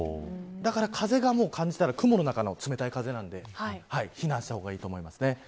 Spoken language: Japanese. だから風を感じたら雲の中の冷たい風なので避難したほうがいいと思います。